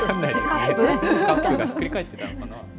カップがひっくり返ってたのかな。